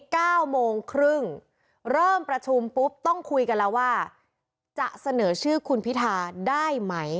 เก้าโมงครึ่งเริ่มประชุมปุ๊บต้องคุยกันแล้วว่าจะเสนอชื่อคุณพิธาได้ไหม